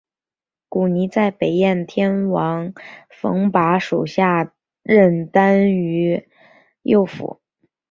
古泥在北燕天王冯跋属下任单于右辅。